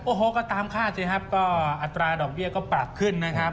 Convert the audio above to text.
โอ้โหก็ตามคาดสิครับก็อัตราดอกเบี้ยก็ปรับขึ้นนะครับ